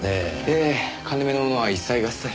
ええ金目のものは一切合切。